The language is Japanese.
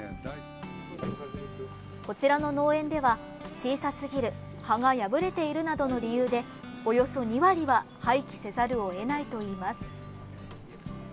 こちらの農園では、小さすぎる葉が破れているなどの理由でおよそ２割は廃棄せざるを得ないといいます。